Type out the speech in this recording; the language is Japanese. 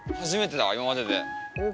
初めてだ今までで。